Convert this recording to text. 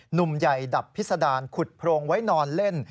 หนุ่มใหญ่ดับพิษดารขุดโพรงไว้นอนเล่น